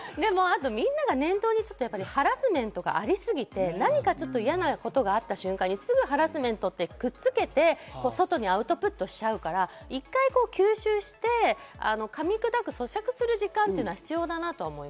みんなが念頭に、ハラスメントがありすぎて、何か嫌なことがあった瞬間にすぐハラスメントってくっつけて外にアウトプットしちゃうから、一回吸収して噛み砕く、咀嚼するすごい分かる。